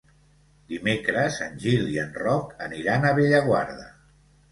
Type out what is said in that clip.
Dimecres en Gil i en Roc aniran a Bellaguarda.